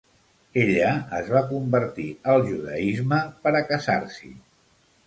Ella es va convertir al judaisme per a casar-s'hi.